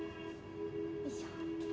よいしょ。